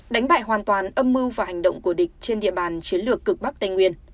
đánh bại hoàn toàn âm mưu và hành động của địch trên địa bàn chiến lược cực bắc tây nguyên